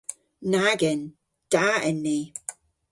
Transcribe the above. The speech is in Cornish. Nag en. Da en ni.